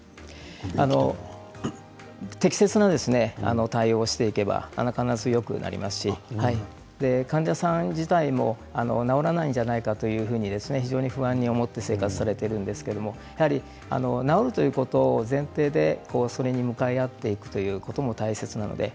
適切な対応をしていけば必ずよくなりますし患者さん自体も治らないんじゃないかというふうに非常に不安に思って生活をされていますけれど治るということを前提にそれに向かい合っていくということも大切です。